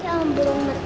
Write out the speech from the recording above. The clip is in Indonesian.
jangan berumur kakak